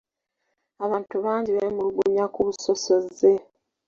Abantu bangi beemulugunya ku busosoze.